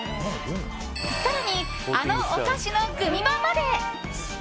更に、あのお菓子のグミ版まで。